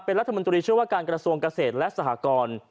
เป็นรัฐมนตรีเชื่อว่าการกระทรวงเกษตรและสหกร